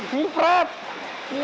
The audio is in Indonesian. gimbalnya seperti ini